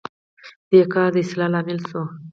دې کار د اصلاح لامل شو.